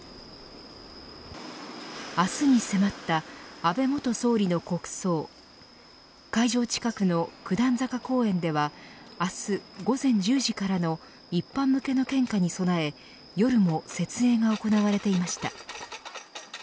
明日に迫った安倍元総理の国葬会場近くの九段坂公園では明日午前１０時からの一般向けの献花に備え夜も設営が行われていました。